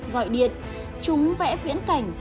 gọi điện chúng vẽ viễn cảnh